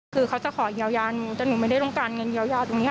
คือเขาจะขอเยียวยาหนูแต่หนูไม่ได้ต้องการเงินเยียวยาตรงนี้